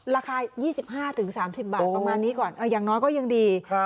ราคา๒๕๓๐บาทประมาณนี้ก่อนอย่างน้อยก็ยังดี